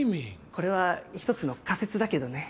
これはひとつの仮説だけどね。